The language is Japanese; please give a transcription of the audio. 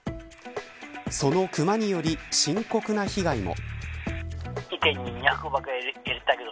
そのクマにより、深刻な被害も。